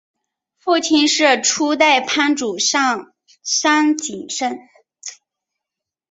父亲是初代藩主上杉景胜。